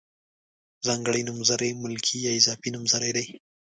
ځانګړي نومځري ملکي یا اضافي نومځري دي.